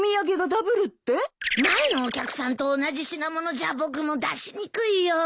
前のお客さんと同じ品物じゃ僕も出しにくいよ。